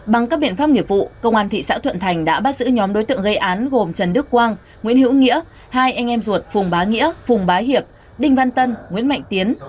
bằng các biện pháp nghiệp vụ công an thị xã thuận thành đã bắt giữ nhóm đối tượng gây án gồm trần đức quang nguyễn hữu nghĩa hai anh em ruột phùng bá nghĩa phùng bá hiệp đinh văn tân nguyễn mạnh tiến